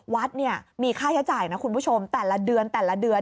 วัดเนี่ยมีค่าใช้จ่ายนะคุณผู้ชมแต่ละเดือนแต่ละเดือน